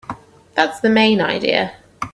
That's the main idea.